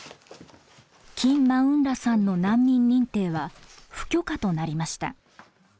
キン・マウン・ラさんの難民認定は不許可となりました。